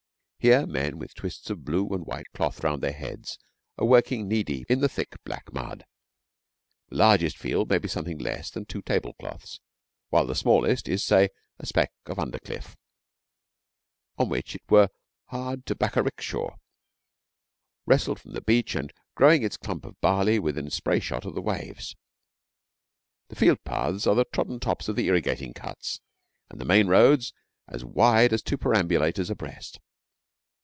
Here men with twists of blue and white cloth round their heads are working knee deep in the thick black mud. The largest field may be something less than two tablecloths, while the smallest is, say, a speck of undercliff, on to which it were hard to back a 'rickshaw, wrested from the beach and growing its clump of barley within spray shot of the waves. The field paths are the trodden tops of the irrigating cuts, and the main roads as wide as two perambulators abreast.